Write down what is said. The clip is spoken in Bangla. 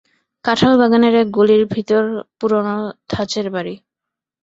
কাঁঠালবাগানের এক গলির ভেতর পুরোনো ধাঁচের বাড়ি।